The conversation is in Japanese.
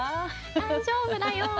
「大丈夫だよ」。